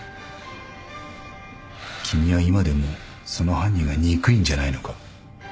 君は今でもその犯人が憎いんじゃないのか？